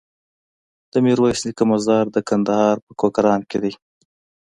د ميرويس نيکه مزار د کندهار په کوکران کی دی